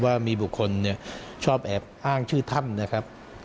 ว่ามีบุคคลชอบแอบอ้างชื่อท่ำ